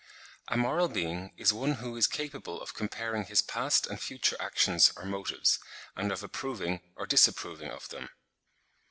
A moral being is one who is capable of comparing his past and future actions or motives, and of approving or disapproving of them.